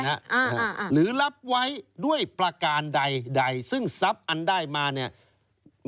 หรือรับไว้ด้วยประการใดใดซึ่งทรัพย์อันได้มาเนี่ย